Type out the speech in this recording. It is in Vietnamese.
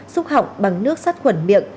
xúc họng bằng nước sắt khuẩn miệng